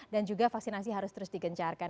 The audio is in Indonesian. dan juga vaksinasi harus terus digencarkan